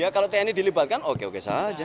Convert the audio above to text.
kalau tni dilibatkan oke oke saja